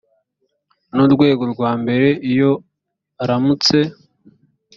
n urwego rwa mbere iyo aramutse